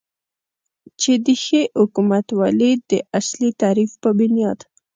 چې د ښې حکومتولې داصلي تعریف په بنیاد